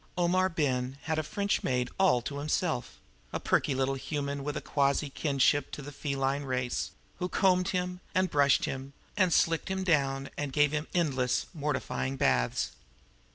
Omar Ben had a French maid all to himself a perky little human with a quasi kinship to the feline race who combed him and brushed him and slicked him down and gave him endless, mortifying baths.